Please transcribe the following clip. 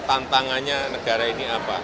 tantangannya negara ini apa